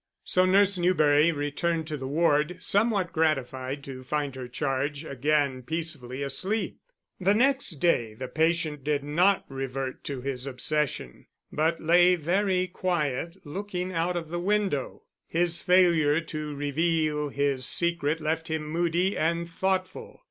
So Nurse Newberry returned to the ward, somewhat gratified to find her charge again peacefully asleep. The next day the patient did not revert to his obsession, but lay very quiet looking out of the window. His failure to reveal his secret left him moody and thoughtful.